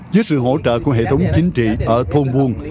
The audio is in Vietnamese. dưới sự hỗ trợ của hệ thống chính trị ở thôn buôn